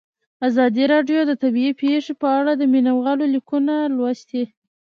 ازادي راډیو د طبیعي پېښې په اړه د مینه والو لیکونه لوستي.